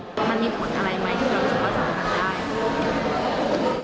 มันมีผลอะไรไหมที่เราจะสามารถการได้